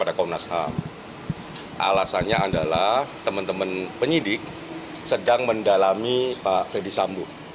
alasannya adalah teman teman penyidik sedang mendalami pak ferdisambu